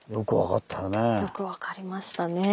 よく分かりましたね。